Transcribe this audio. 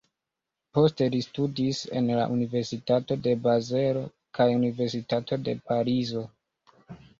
Poste li studis en la Universitato de Bazelo kaj Universitato de Parizo.